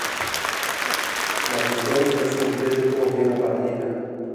Mas os donos dessa empresa têm o rei na barriga